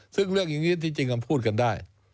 ซึ่งเรื่องอย่างนี้ที่จริงก็พูดกันได้